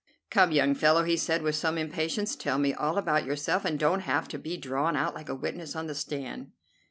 "Come, young fellow," he said, with some impatience, "tell me all about yourself, and don't have to be drawn out like a witness on the stand."